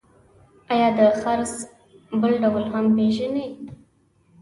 آیا د څرخ بل ډول هم پیژنئ؟